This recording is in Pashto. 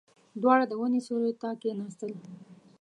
دواړه د ونې سيوري ته کېناستل.